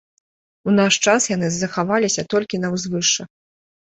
У наш час яны захаваліся толькі на ўзвышшах.